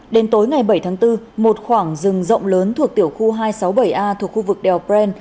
đến tối ngày bảy tháng bốn một khoảng rừng rộng lớn thuộc tiểu khu hai trăm sáu mươi bảy a thuộc khu vực đèo pren